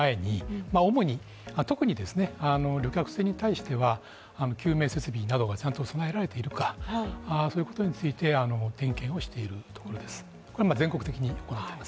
あの行楽シーズンの前に主に救命設備などがちゃんと備えられているかそういうことについて点検をしているところです。